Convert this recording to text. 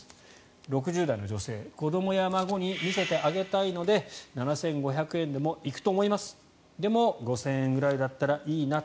６０代の女性子どもや孫に見せてあげたいので７５００円でも行くと思いますでも、５０００円ぐらいだったらいいな。